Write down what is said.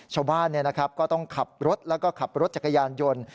ชาวบ้านก็ต้องขับรถแล้วก็ขับรถจักรยานยนต์